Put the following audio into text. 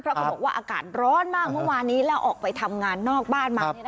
เพราะเขาบอกว่าอากาศร้อนมากเมื่อวานนี้แล้วออกไปทำงานนอกบ้านมา